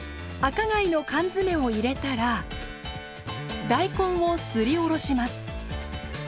赤貝の缶詰を入れたら大根をすりおろします。